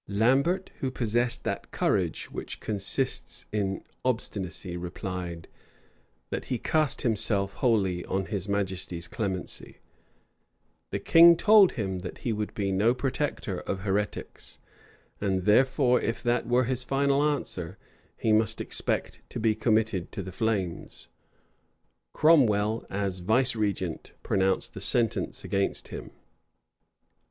Lambert, who possessed that courage which consists in obstinacy, replied, that he cast himself wholly on his majesty's clemency: the king told him that he would be no protector of heretics; and, therefore, if that were his final answer, he must expect to be committed to the flames Cromwell, as vicegerent, pronounced the sentence against him.